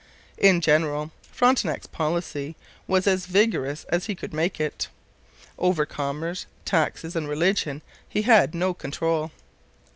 In general, Frontenac's policy was as vigorous as he could make it. Over commerce, taxes, and religion he had no control.